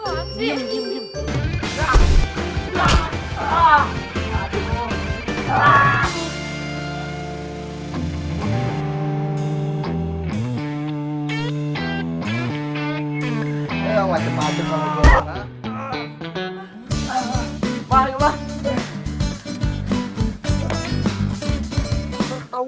eh enggak gue gak nyari kesempatan